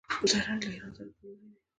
زرنج له ایران سره پوله لري.